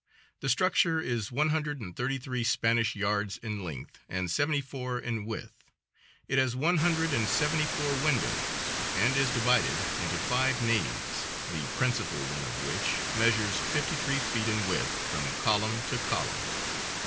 The structure is one hundred and thirty three Spanish yards in length, and seventy four in width. It has one hundred and seventy four windows, and is divided into five naves, the principal one of which measures fifty three feet in width from column to column.